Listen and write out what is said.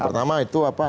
pertama itu ya